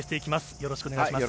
よろしくお願いします。